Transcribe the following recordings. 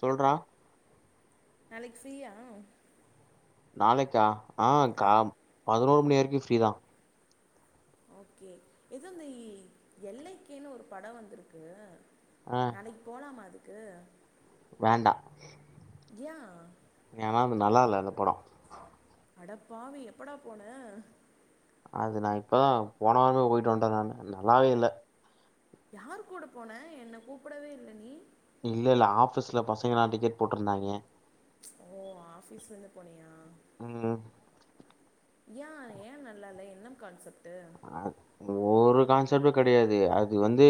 சொல்றா நாளைக்கி ஃப்ரீயா நாளைக்கா ஆஹ் ஆ காம் பதினோரு மணி வரைக்கும் ஃப்ரி ஃப்ரீ தா ஓகே எதோ இந்த எல் ஐ கே ன்னு ஒரு படோ வந்திருக்கு ஆ நாளைக்கு போலாமா அதுக் க்கு வேண்டா எயா யான அது நல்லா இல்ல அந்த படோ அடப்பவி எப்படா போன அது நான் இப்பதான் போன வாரமே போயிட்டு வந்ட்டேன் நானு நல்லாவே இல்ல யாரு கூட போன என்ன கூப்டவே இல்ல நீ இல்ல இல்ல ஆபீஸ்ல பசங்கலா டிக்கெட் போட்டிருந்தாங்க ஓ ஆபீஸ்ல இருந்து போனியா உம் ஏன் ஏன் நல்லா இல என்ன கான்செப்ட் அ ஒரு கான்செப்ட்டும் கிடையாது அது வந்து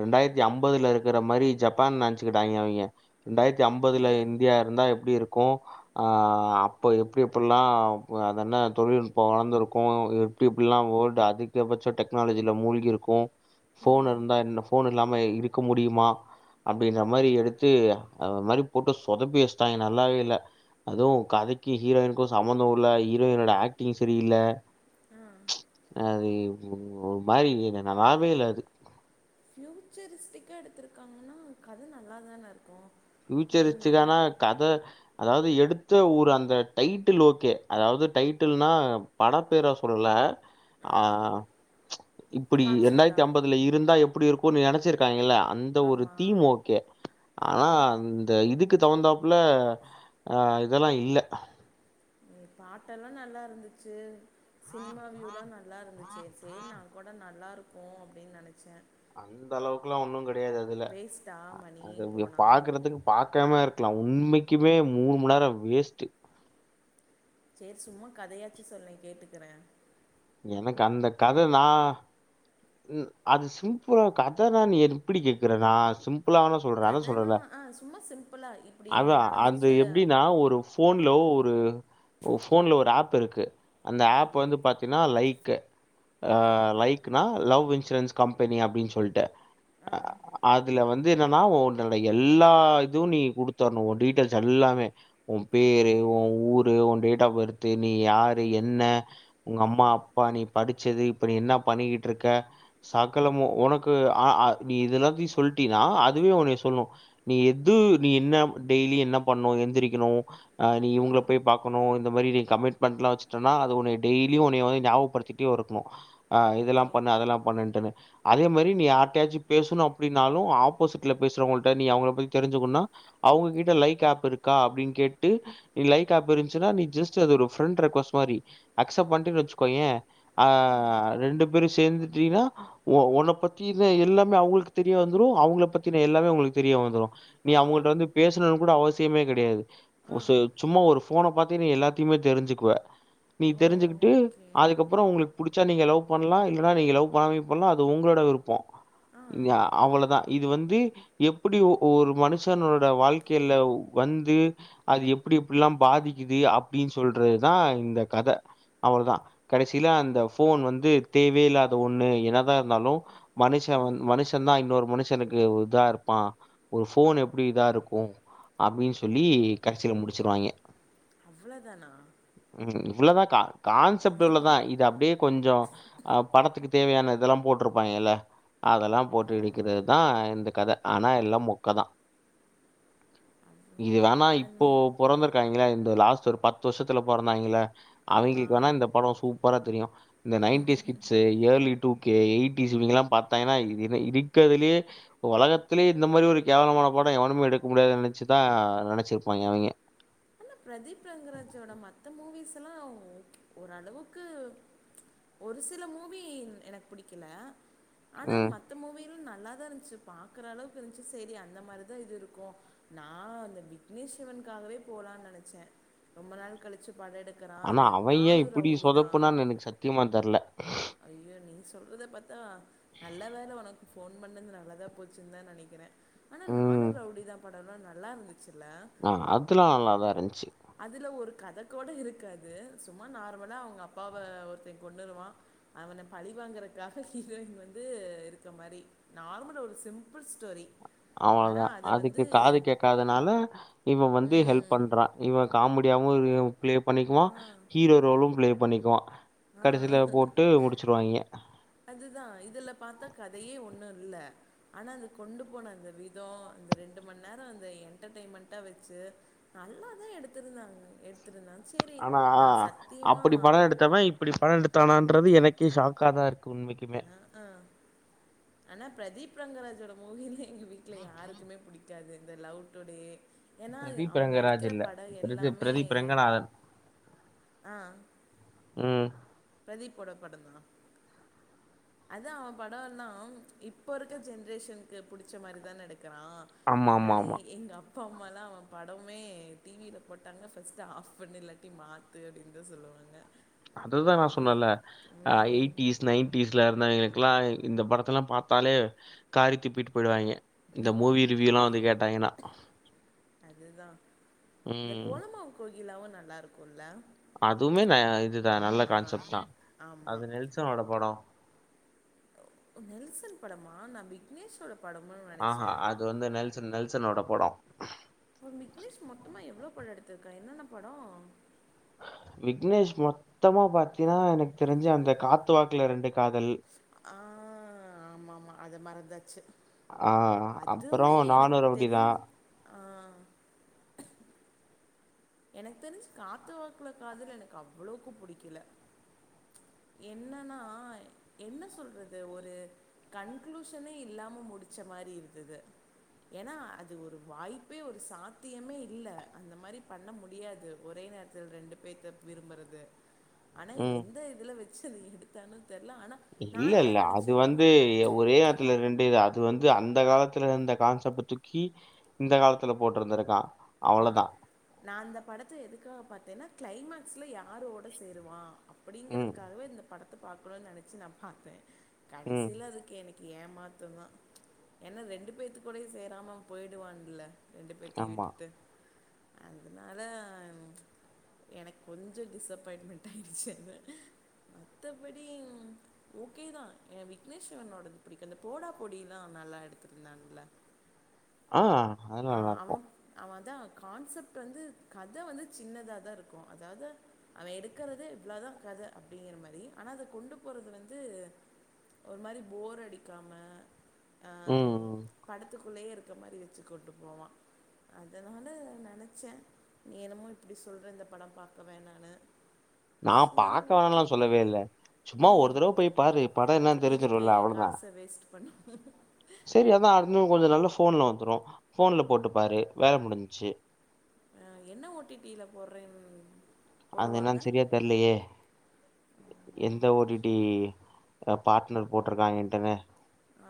ரண்டாயிரத்தி ஐம்பதுல இருக்கிற மாரி ஜப்பான் நினைச்சுக்கிட்டாங்க அவிங்க ரெண்டாயிரத்தி ஓ அம்பதுல இந்தியா இருந்தா எப்படி இருக் கு அப்ப எப்டி எப்புல்லாம் அதன தொழில்நுட்பம் வளர்ந்திருக்கும் எப்டி எப்புல்லாம் ஓல் அதிகபட்சம் டெக்னாலஜியில மூழ்கி இருக்கும் போன் ம் இருந்தா என்ன போனு இல்லாம இருக்க முடியுமா அப்படின்ற மாரி எடுத்து அது மாரி போட்டு சொதப்பி வசிட்டாங்க நல்லாவே இல்ல அதுவும் கதைக்கு ஹீரோயினுக்கு சம்பந்தம் இல்ல ஹீரோயினோட ஆக்டிங் சரி இல்ல ஆ அது ஒரு மாரி வே நல்லாவே இல்ல அது ஃபயூச்சர் ஸ்டிக்காக எடுத்துருக்காங்கன்னா கத நல்லா தானே இருக்கும் நீ நல்லா ஃபியூச்சர்ச்சுக்கானா கத அதாவது எடுத்த ஊர் அந்த டைட்டில் ஓகே அதாவது டைட்டில்னா பட பேரா சொல்ல ஆ ஆஹ் ப்ச் இப்படி கான்செப்டா இரண்டாயிரத்தி ஐம்பதுல இருந்தா எப்டி இருக் [unintelligible] நினச்சிருக்காங்கள அந்த ஒரு ஆமாம் தீம் ஓகே. ஆனா ஓகே இந்த இதுக்கு தகுந்தாப்புல அஹ் இதெல்லா இல்ல பாட்டெல்லா நல்லா இருந்துச்சு. சினிமா வியூலா நல்லா இருந்துச்சே சரி நான் கூட நல்லா இருக் போம் அப்டின்னு நினச்சேன். அந்த அளவுக்கெல்லாம் ஒன்னும் கிடை கிடயாது அதுல வேஸ்ட்டா மணி ஆ போனா பாக்குறதுக்கு பாக்காம இருக் லாம் உண்மைக்குமே மூணு மணி நேரம் வேஸ்ட். சரி சும்மா கதையாச்சு சொல்லேன் கேட்டுக்குறேன். எனக்கு அந்த கத நான் அது சிம்பிளா கதை நான் எப்படி கேட்கிற நான் சிம் பிளா வேணா சொல்றேன் அத கதைனா சொல்றல்ல ஆ சும்மா சிம்பிளாக இப்படி அத அது நடந்துச்சு எப்டினா ஒரு ஆ போன்ல ஒரு போன்ல ஒரு ஆப் பெருக்கு அந்த ஆ ஆப் வந்து பாத் லைக் அ ஓகே லைக் நா லவ் இன் இன்சூரன்ஸ் கம்பெனி அப்டின்னு சொல்ட்டு ஆ அ அதுல வந்து இது என்னன்னா உன்னோட எல்லா இதும் நீ குடுத்தரணு உன் டீட்டெயல்ஸ் எல்லாமே உன் ஆ பேரு உன் ஊரு உன் டேட் ஆஃப் பர்து நீ யாரு என்ன உங்க அம்மா ம் அப்பா நீ படிச்சது இப்ப நீ என்ன பண்ணிக்கிட்டு இருக்க சகலமும் உனக்கு அ ஆ நீ இது எல்லாத்தையும் சொல்ட்டினா அதுவே உனய சொல்லும் நீ எது நீ என்ன டெய்லியும் என்ன பண்ணும் எந்திரிக்கணு ஹ நீ ஆ இவங்கள போய் பா்கக்கணு இந்த மாதிரி நீ கமிட்மெண்ட் எல்லாம் வச்சுட்டன்னா அது உன்னைய டெய்லியும் உனய வந்து ஞாபகப்படுத்திட்டே இருக்கும் ஆஹ் ஓகே இதெல்லாம் பண்ணு அதெல்லாம் பண்ணன்ட்டுன்னு அதே மாரி நீ யார்ட்டையாச்சு பேசணு அப்டின்னாலு ஆப்போசிட்ல பேசுறவங்கள்ட்ட நீ அவங்கள பத்தி தெரிஞ்சுக்குன்னா அவுங்ககிட்ட லைக் ஆப் இருக்கா அப்டின் கேட்டு நீ லைக் ஆப் இருந்ச்சுன்னா நீ ஜஸ்ட்டு அத ஒரு ஃப்ரெண்ட் ரெக்வொஸ்ட் மாரி அக்செப்ட் பண்ட்டேன் வெச்சுக்கோயெ ஆ ரெண்டு பேரு சேந்துட்டீனா ஒ ஒன்ன பத்தின எல்லாமே அவுங்களுக் தெரிய வந்துரு அவுங்கள பத்தின எல்லாமே உங்களுக் தெரிய வந்துரு நீ பார்றா அவுங்கள்ட்ட வந்து பேசணுன் கூட அவ சியமே கடையாது ஆ [unintelligible] சும்மா ஒரு ஃபோன பாத்தே நீ எல்லாத்தைமே தெரிஞ்சிக்குவ நீ ஓ தெரிஞ்சிக்கிட்டு ஓகே அதுக்கப்பறோ உங்களுக் புடிச்சா நீங்க லவ் பண்லா இல்லனா நீங்க லவ் பண்ணாமேயு போலா அது உங்ளோட விருப்பொ ஆ அவ்வளதா இது வந்து எப்டி ஒ ஒரு மனுஷனோட வாழ்க்கைல வந்து அது எப்டி எப்டிலா பாதிக்கிது அப்டின் சொல்றதுதா இந்த கத அவ்ளோதா கடசீல அந்த ஃபோன் வந்து தேவயே இல்லாத ஒண்ணு என்னதா இருந்தாலு மனுஷ வந் ம் மனுஷந்தா இன்னொரு மனுஷனுக்கு இதா இருப்பா ஒரு ஃபோன் எப்டி இதா இருக்கு அப்டின் சொல்லி கடசீல முடிச்சிருவாய்ங்க அவ்ளோ தானா இவ்ளோதா கா கான்செப்ட் இவ்ளோதா இத அப்டியே கொஞ்சொ அ படத்துக்கு தேவையான இதெல்லா போட்ருப்பாய்ங்கல்ல அதெல்லா ஆ போட்டு இழுக்குறதுதா இந்த கத ஆனா எல்லா மொக்கதா அவ்வளோ இது வேணா இப்போ அது பொறந் காய்ங்கல்ல இந்த லாஸ்ட்டு ஒரு பத்து வர்ஷத்துல பொறந்தாய்ங்கல்ல ஆமா அவிங்களுக்கு வேணா இந்த படொ சூ ப்பரா தெரியு இந்த nineties kids early two K eighties இவிங்கெல்லா பாத்தாய்ங்கன்னா இது இ இது இருக்கறதுலயே ஒலகத்துலயே இந்த மாரி ஒரு கேவலமான படொ எவனுமே எடுக்க முடியாது நெனச்சுதா நெனச்சிருப்பாய்ங்க அவிய்ங்க அண்ணா பிரதீப் ரங்கராஜோட மத்த மூவிஸ்ல்லா ஓரளவுக்கு ஒரு சில மூவி எனக்கு பிடிக்கல ஆனா ம். மத்த மூவீ ந நல்ல இருன்ஞ்சு பாக்ற அளவுக்கு இருன்ஞ்சு சேரி அந்த மாரி தா இது இருக்கு நா அந்த விக்னேஷ் சிவன்க்காகவே போலா ரொம்ப நாள் கழிச்சி ஆனா அவ ஏ இப்டி தான் சொதப்புனான் எனக்கு சத்தியமா தெர்ல ஐயோ நீ சொல்றத பாத்தா நல்ல வேல உனக்கு ஃபோன் பண்ணது நல்லதா போச்சுன்தா நெனக்கிறே ஆனா ம். நானும் ரவுடி தா படம்லா நல்லா இருந்து ஆ அதுல்லா நல்லாதா இருந்ச்சு அதுல ஒரு கத கூட இருக்காது சும்மா நார்மலா அவுங்க அப்பாவ ஒருத்தெ கொன்னுருவா அவன பழி வாங்கறக்காக ஹீரோயின் வந்து இந்த மாரி நார்மல் ஒரு சிம்பிள் ஸ்டோரி ஆனா அவ்ளோதா அத வந்து அதுக்கு காது கேக்காதனால இவ வந்து ஹெல்ப் ம் பண்றா இவ காமெடியாவு ஈ ப்ளே பண்ணிக்குவா ஆ ஹீரோ ரோலும் ப்ளே பண்ணிக்குவா ஆ அது தா இதுல பாத்தா கதையே ஒன்னு இல்ல ஆனா அது கொண்டு போன அந்த விதோ அந்த ரெண்டு மண் நேரோ அந்த என்டர்டெய்ன்மெண்டா வெச்சு நல்லா தா எடுத்திருந்தாங்க எடுத் ஆனா அப்படி படோ எடுத்தவ இப்படி படோ எடுத் தானான்றது எனக்கே ஷாக்கா தா இருக் கு உண்மைக்குமே அ ஆ ஆனா ப்ரதீப் ரங்கராஜோட மூவி எங்க வீட்ல யாருக்குமே புடிக்காது இந்த லவ் டுடே ஏன்னா ப்ரதீப் அவன் ரங்கராஜ் நடிக்கிற இல்ல படம் ப்ரதி எல்லாமே ப்ரதீப் ரங்கநாதன் ஆஹ் ம் ப்ரதீப்போட படந்தா அதா அவ படோ எல்லா இப்ப இருக்க ஜென்ரேஷன்க்கு புடிச்ச மாரி தா எடுக் கறா ஆமா, ஆமா, அதுனால ஆமா. எங்கப் பா அம்மாலா அவ படமே டி வி ல போட்டாங்க ஃபஸ்ட்டு ஆஃப் பண்ணு இல்லாட்டி மாத்து அப்டின் தா சொல்லுவாங்க அது தா நா அவங்களும் சொன்னல்ல அ ம் எய்ட்டீஸ் நைன்டீஸ்லா இருந்தவ்ங்களுக் குலா இந்த படத்தல்லா பாத்தாலே காரி துப்பிட்டு போய்டுவாங்க இந்த மூவி ரிவியூல்லா வந்து கேட்டாங்கனா அது தா இந்த கோலமாவு கோகிலாவு நல்லாருக்குல்ல அதுவ்மே ந இது தா நல்ல கான்செப்ட் தா ஆமா அது நெல்சனோட படோ ஓ நெல்சன் படமா நா விக்னேஷோடப் ஆ ஆஹ் அது வந்து நெல்சன் நெல்சனோட படோ அவ விக்னேஷ் மொத்தமா எவ்ளோ படோ எடுத்திருக்கா என்னென்ன படோ விக்னேஷ் மொத்தமா பாத்தீன்னா எனக் தெரிஞ்சு அந்த காத்து வாக்குல ரெண்டு காதல் ஆ ஆமாமா அத மறந்தாச்சு ஆஹ் ஆ அப்பறோ அதுமே எனக்கு நானு ரௌடி தா தெரிஞ் ஆ எனக் தெரிஞ்சு காத்து வாக்குல காதல் எனக் அவ்வளோக்கு புடிக்கல என்னனா என்ன சொல்றது ஒரு கன்க்ளூஷனே இல்லாம முடிச்ச மாரி இருந்துது ஏனா அது ஒரு வாய்ப்பே ஒரு சாத்தியமே இல்ல அந்த மாரி பண்ண முடியாது ஒரே நேரத்துல் ரெண்டு பேத்த விரும்பறது ஆனா ம். எந்த இதுல வெச் சு அத எடுத்தான்னு தெர்ல. ஆனா இல்ல நான் என்ன இல்ல அது நெனச்சேன்னா, வந்து எ ஒரே நேரத்துல ரெண்டு இது அது வந்து அந்த காலத்துலருந்த கான்செப்ட்ட தூக்கி இந்த காலத்துல போட்ருந்திருக்கா ஆ அவ்வளோ தா நான் அந்த படத்த எதுக்காக பாத்தேனா க்ளைமேக்ஸ்ல யாரோட சேருவா ம், அப்டிங்கரத்காகவே இந்த படம் த பாக்கனுன் நெனச்சு நா பாத்தே ம். கடைசில அதுக் கேனகி ஏமாத்தந்தா ச்ச ஏன்னா ரெண்டு பேத்து கூட சேராம போயிடுவான்ல ரெண்டு பேத்தையு ஆமா. விட்டுட்டு அதா ச்ச எனக் கொஞ்சோ டிஸ்அபாயின்ட்மென்ட் ஆயிடுச்சு மத்தபடி ஓகேதா எ விக்னேஷ்சிவனோடது எனக்கந்த போடா போடிலா நல்லா எத்திருந்தாங்க ஆ அதெல்லாம் ஆ அம்மு நல்லாருக்கும். அவந்தா கான்செப்ட் வந்து கத வந்து சின்னதா தா இருக்கோ அதாது அவ எடுக்கறது இவ்ளோதா கத அப்டிங்கிற மாரி ஆனா அத கொண்டு போறது வந்து ஒரு மாரி போர் அடிக்காம ஆ ம். படத்துக்குள்ளேயே இரு கம் மாரி வெச்சு கொண்டு போவா அதனால நெனச்ச நீ என்னமோ இப்டி சொல்ற இந்த படம் பாக்க வேனான்னு நா பாக்க வேணான்லா சொல்லவே இல்ல சும்மா ம் ஒரு தடவ போய் பாரு பட என்னானு தெரிஞ்சிறோல அவ்ளோதா பண்ணி செரி அதா [unintelligible] கொஞ்ச நாள்ல ஃபோன்ல வந்துரோ ஃபோன்ல போட்டு பாரு வேல முடிஞ்சிச்சி ஆ என்ன ஓ டி டி ல போறேன் அதென்னான் செரியா தெர்லியே எந்த ஓ டி டி எ பாட்னர் போட்டிருக்கா இன்டர்னு ஆ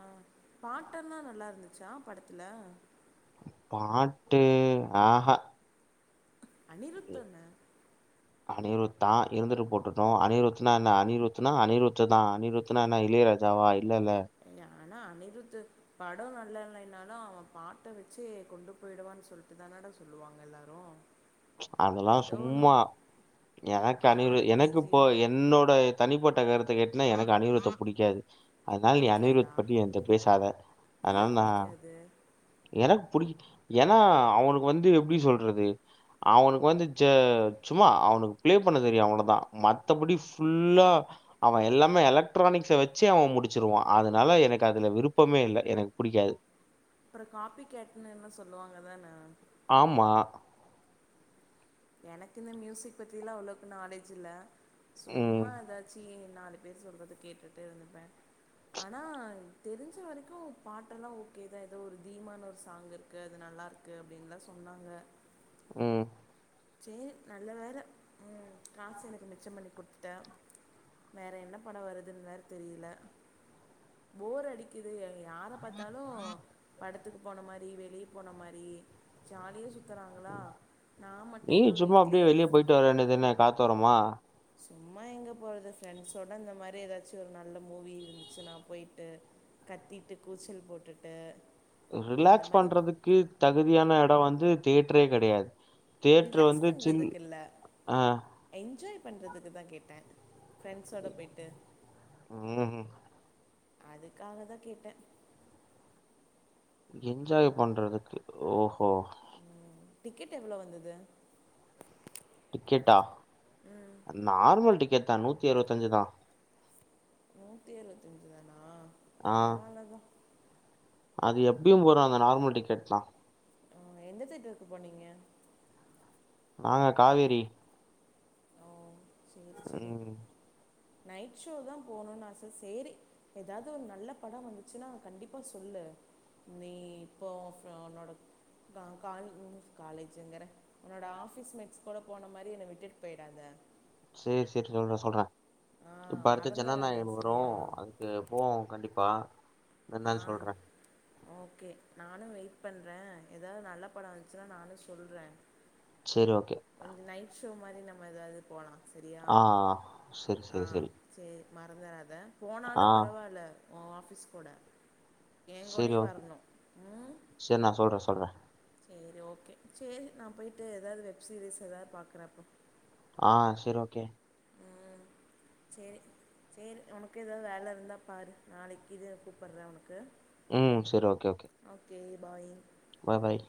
பாட்டெல்லா நல்லா இருந்துச்சா படத்துல பாட்டு ஆகா அனிருத்துதான அனிருத்தா இருந்துட்டு போட்டுட்டோ அனிருத்னா என்ன அனிருத்னா அனிருத்து தா அனிருத்னா என்ன இளையராஜாவா இல்லல்ல ஏன்னா அனிருத்து படோ நல்லா [unintelligible] இருந்தாலோ அவ பாட்ட வெச்சே கொண்டு போயிடுவான்னு சொல்ட்டு தானாட சொல்லுவாங்க எல்லாரோ ச்ச அதெல்லா சும்மா எனக்கு அனிரு அவனோட எனக்கு போ பிஜிஎம் என்னோட தனிப்பட் ட்ட கருத்த கேட்னா எனக்கு அனிருத்த புடிக்காது அதனால நீ புடிக்காதா அனிருத் பத்தி என்ட பேசாத அதனால ஏன் நா புடிக்காது எனக் புடிக்கு ஏன்னா அவனுக் வந்து எப்டி சொல்றது அவனுக்கு வந்து செ சும்மா அவனுக் பிளே பண்ண தெரியு அவுளதா மத்தபடி ஃபுல்லா அவ எல்லாமே எலக்ட்ரானிக்ஸ் வச்சு அவன் முடிச்சிருவா அதனால எனக் அதுல விருப்பமே இல்ல எனக்கு பிடிக்காது அப்பற காபி கேட்டுன்னு என்ன சொல்லுவாங்க தானே ஆமா எனக்கு இந்த மியூசிக் பத்திலா அவ்ளோக்கு நாலேஜ் இல்ல ம், சும்மா ஏதாச்சு ஏ நாளை பேர் சொல்றது கேட்டுட்டு இருந்துப்பேன் ஆனா தெரிஞ்ச வரைக்கு பாட்டெல்லா ஓகேதா ஏதோ ஒரு தீமானு ஒரு சாங்கு இருக்கு அது நல்லா இருக்கு அப்படின்னுல்லா சொன்னாங்க உம் சேரி நல்ல வேற உம் காசு எனக்கு மிச்சம் பண்ணி குடுத்துட்ட வேற என்ன படம் வருதுன்னு வேற தெரியல போர் அடிக்குது யார பாத்தாலு படத் பத்துக்கு போன மாதிரி வெளியே போன மாதிரி ஜாலிய சு றாங்களா நான் மட் ஏன் சும்மா அப்படியே வெளியே போயிட்டு வர வேண்டடிதான காத்தோரமா சும்மா எங்கே போகிறது ஃப்ரெண்ட்ஸோடு இந்த மாதிரி ஏதாச்சும் ஒரு நல்ல மூவி இருந்துச்சு நான் போயிட்டு கத்திட்டு கூச்சல் போட்டுட்டு அந்த ரிலாக்ஸ் மாரி பண்றதுக்கு தகுதியான இடம் வந்து தேட்ரே கடையாது ரிலாக்ஸ் பண்றதுக்கு இல்ல ஆ என்ஜாய் பண்றதுக்கு தான் கேட்டேன் ப்ரெண்ஸ்ஸோட போயிட்டு ம்ஹூம் அதுக்காக தான் கேட்டேன் என்ஜாய் பண்றதுக்கு ஓஹோ டிக்கெட் எவ்வளோ வந்தது டிக்கெட்டா ம் நார்மல் டிக்க டிக்கேட் நூத்தி அரவத்தஞ்சு தான் நூத்தி இபத்த அஞ்சு தானா ஆஹ் பரவாயில்ல தான் அது எப்படியும் போற அந்த நார்மல் டிக்கெட்லாம் எந்த தேட்டர்க்கு போனீங்க நாங்க காவேரி சேரி சேரி ம் நைட் ஷோ தான் போணும்னு ஆசை செரி ஏதாது ஒரு நல்ல படம் வந்துச்சுன்னா கண்டிப்பா சொல்லு நீ இப்போ உன்னோட கால் காலேஜ்ங்கற உன்னோட ஆஃபிஸ் மேட்ஸ் கூட போன மாதிரி என்னை விட்டுட்டு போயிடாத செரி செரி சொல்றன் சொல்றன் ஆ இப்ப அடுத்து மறந்துடாத ஜனநாயகன் வரும் சரியா அதுக்கு போவோம் கண்டிப்பா ப்ப நான் ஆ சொல்றேன் ஓகே நானும் வெயிட் பண்றேன் ஏதாவது நல்ல படம் வந்துச்சுன்னா நானும் சொல்றேன் செரி ஓகே கொஞ்சம் நைட் ஷோ மாதிரி நம்ம ஏதாவது போலாம் ஆஹ் சரி சரி சரி மறந்துராத போனாலும் பரவாயில்ல ஆஃபீஸ் கூட என் சரி கூடயும் ஓகே வரணும் சரி நான் சொல்றே சொல்றே செரி ஓகே செரி நான் போயிட்டு ஏதாது வெப் சீரிஸ் ஏதாது பாக்குறேன் அப்ப ஆஹ் சரி ஓகே செரி செரி உனக்கு ஏதாது வேல இருந்தா பாரு நாளைக்கு இது கூப்பிடு்றேன் உனக்கு உம் சரி ஓகே ஓகே பாய் பாய் பாய்